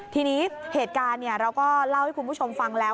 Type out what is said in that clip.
ทีนี้เหตุการณ์เราก็เล่าให้คุณผู้ชมฟังแล้ว